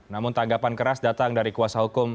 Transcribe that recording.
namun tanggapan keras datang dari kuasa hukum